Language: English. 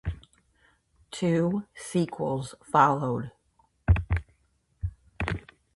Two sequels followed.